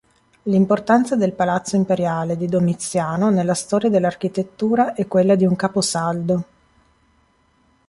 L'importanza del palazzo imperiale di Domiziano nella storia dell'architettura è quella di un caposaldo.